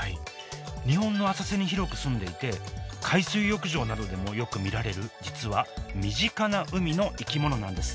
日本の浅瀬に広く住んでいて海水浴場などでもよく見られる実は身近な海の生き物なんです。